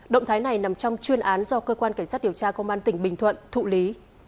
động thái này nằm trong chuyên án do cơ quan cảnh sát điều tra công an tỉnh bình thuận thụ lý